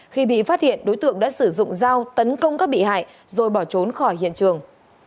khi bị phát hiện đối tượng đã sử dụng dao tấn công các bị hại rồi bỏ trốn khỏi hiện trường